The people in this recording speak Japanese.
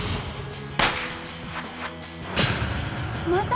また！？